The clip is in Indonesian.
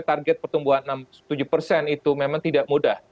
tapi target pertumbuhan enam tujuh itu memang tidak mudah